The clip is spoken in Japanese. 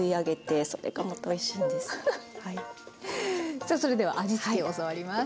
さあそれでは味付けを教わります。